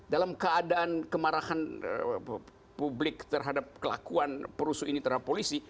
dalam keadaan kemarahan publik terhadap kelakuan perusuh ini terhadap polisi